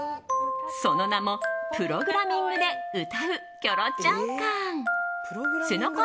その名も、プログラミングで歌うキョロちゃん缶。